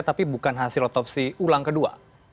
tapi bukan hasil otopsi ulang kedua